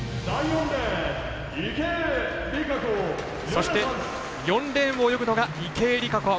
そして、４レーンを泳ぐのが池江璃花子。